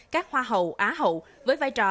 các hoa hậu á hậu với vai trò